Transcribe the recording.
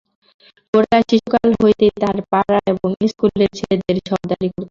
গোরা শিশুকাল হইতেই তাহার পাড়ার এবং ইস্কুলের ছেলেদের সর্দারি করিত।